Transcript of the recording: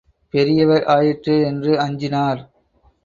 பெரியவர் ஆயிற்றே என்று அஞ்சினார்.